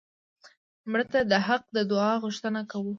مړه ته د حق د دعا غوښتنه کوو